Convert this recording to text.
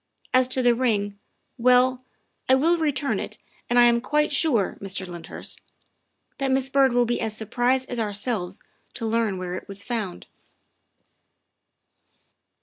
As to the ring well, I will return it, and I am quite sure, Mr. Lynd hurst, that Miss Byrd will be as surprised as ourselves to learn where it was found."